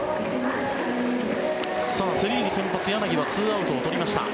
セ・リーグ先発、柳は２アウトを取りました。